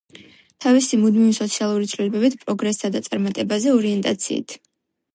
თავისი მუდმივი სოციალური ცვლილებებით, პროგრესსა და წარმატებაზე ორიენტაციით.